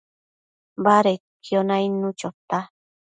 badedquio nainnu chota